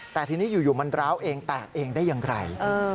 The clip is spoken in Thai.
แต่ทีนี้อยู่มันร้าวเองแตกเองได้อย่างไร